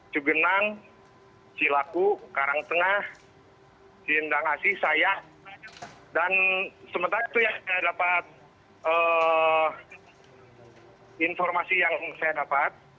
cugenang cilaku karangtengah ciendang asih saya dan sementara itu yang saya dapat informasi yang saya dapat